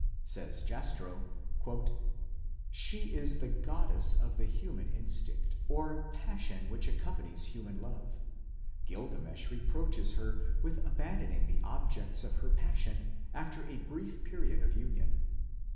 "She is", says Jastrow, "the goddess of the human instinct, or passion which accompanies human love. Gilgamesh ... reproaches her with abandoning the objects of her passion after a brief period of union."